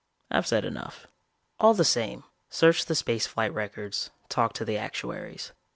I've said enough. "All the same, search the space flight records, talk to the actuaries.